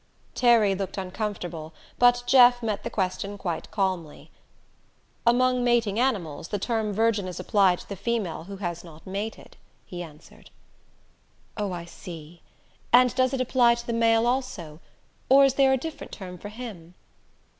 _" Terry looked uncomfortable, but Jeff met the question quite calmly. "Among mating animals, the term virgin is applied to the female who has not mated," he answered. "Oh, I see. And does it apply to the male also? Or is there a different term for him?"